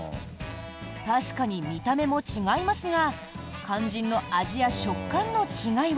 確かに見た目も違いますが肝心の味や食感の違いは。